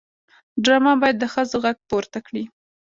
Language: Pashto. ډرامه باید د ښځو غږ پورته کړي